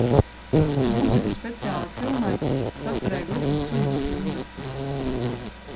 "Mūziku speciāli filmai sacerēja grupa "Suņa Stunda"."